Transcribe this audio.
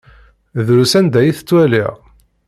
Drus anda ay t-ttwaliɣ.